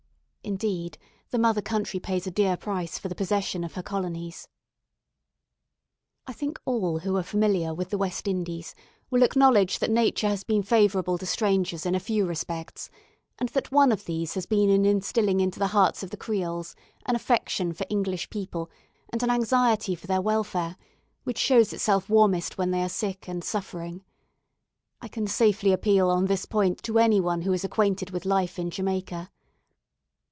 Indeed, the mother country pays a dear price for the possession of her colonies. I think all who are familiar with the West Indies will acknowledge that Nature has been favourable to strangers in a few respects, and that one of these has been in instilling into the hearts of the Creoles an affection for English people and an anxiety for their welfare, which shows itself warmest when they are sick and suffering. I can safely appeal on this point to any one who is acquainted with life in Jamaica.